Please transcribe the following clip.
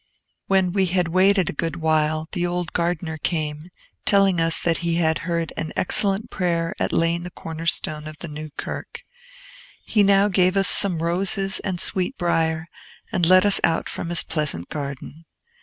When we had waited a good while, the old gardener came, telling us that he had heard an excellent prayer at laying the corner stone of the new kirk. He now gave us some roses and sweetbrier, and let us out from his pleasant garden.